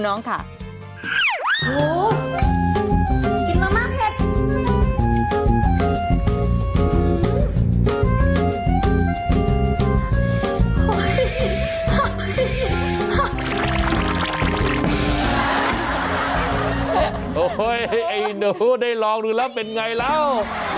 โอ้โหไอ้หนูได้ลองดูแล้วเป็นไงแล้ว